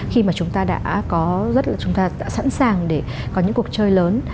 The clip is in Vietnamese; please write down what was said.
khi mà chúng ta đã có rất là chúng ta đã sẵn sàng để có những cuộc chơi lớn